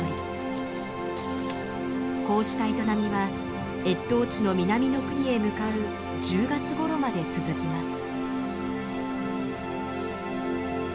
こうした営みは越冬地の南の国へ向かう１０月ごろまで続きます。